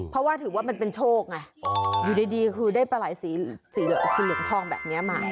เพราะว่าถือว่ามันเป็นโชคไงอยู่ดีคือได้ปลาไหล่สีเหลืองทองแบบนี้มา